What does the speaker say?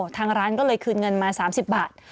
ทางร้านก็เลยคืนเงินมา๓๐บาท